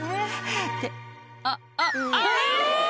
「ってあっあっあぁ！」